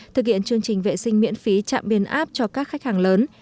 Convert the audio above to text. thực hiện chương trình vệ sinh miễn phí trạm biên áp cho các khách hàng lớn